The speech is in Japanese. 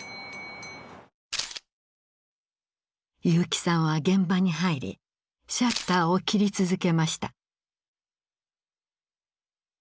結城さんは現場に入りシャッターを切り続けました。